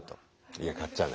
いや買っちゃうね。